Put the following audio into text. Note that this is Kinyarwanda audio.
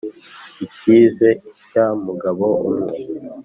Ikigize icya Mugabo-umwe.